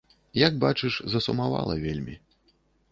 Як бачыш, засумавала вельмі.